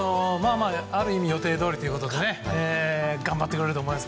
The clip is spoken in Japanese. ある意味予定どおりということで頑張ってくれると思います。